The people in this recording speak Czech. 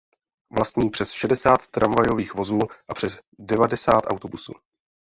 Vlastní přes šedesát tramvajových vozů a přes devadesát autobusů.